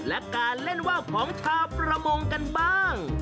และการเล่นว่าวของชาวประมงกันบ้าง